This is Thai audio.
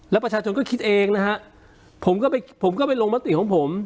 แล้วประชาชนก็คิดเองนะฮะผมก็ไปลงปฏิของผม